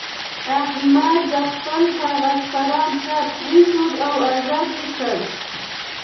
احمد د خپل کاغذ پران تار پرېښود او ازاد یې کړ.